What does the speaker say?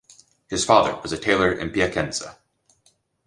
His father was a tailor in Piacenza.